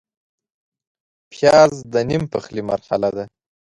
پیاز د نیم پخلي مرحله ده